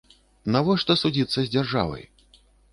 Навошта судзіцца з дзяржавай?